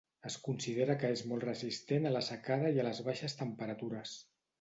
Es considera que és molt resistent a la secada i ales baixes temperatures.